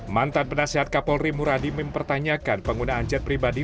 mantan penasihat kapolri muradi mempertanyakan penggunaan jet pribadi